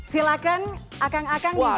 silakan akang akang di jawa